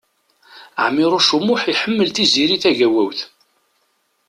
Ɛmiṛuc U Muḥ iḥemmel Tiziri Tagawawt.